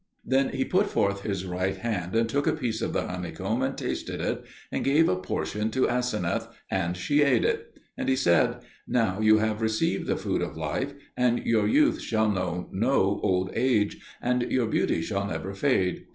Then he put forth his right hand and took a piece of the honeycomb, and tasted it, and gave a portion to Aseneth, and she ate it; and he said, "Now you have received the food of life, and your youth shall know no old age, and your beauty shall never fade."